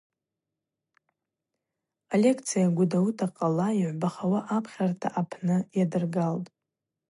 Алекция Гвдауыта къала йгӏвбахауа апхьарта апны йадыргалтӏ.